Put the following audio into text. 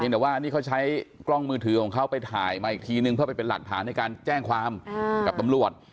แต่ว่านี่เขาใช้กล้องมือถือของเขาไปถ่ายมาอีกทีนึงเพื่อไปเป็นหลักฐานในการแจ้งความกับตำรวจ